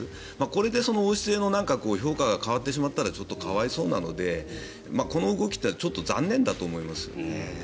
これで王室の評価が変わってしまったらちょっと可哀想なのでこの動きというのはちょっと残念だと思いますね。